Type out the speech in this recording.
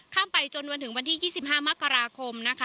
ข้ามไปถึงจะมีวันที่๒๕มกราคม